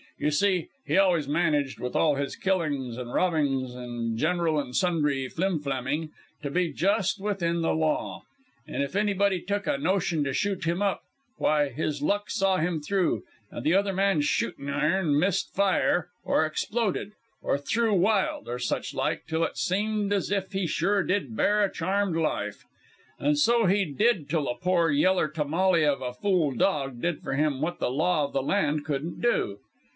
You see, he always managed, with all his killings and robbings and general and sundry flimflamming, to be just within the law. And if anybody took a notion to shoot him up, why, his luck saw him through, and the other man's shooting iron missed fire, or exploded, or threw wild, or such like, till it seemed as if he sure did bear a charmed life; and so he did till a pore yeller tamale of a fool dog did for him what the law of the land couldn't do.